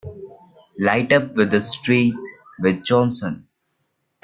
Light up with the street with Johnson!